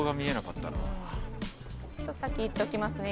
ちょっと先行っときますね。